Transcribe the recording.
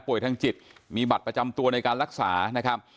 ทางจิตมีบัตรประจำตัวในการรักษานะครับ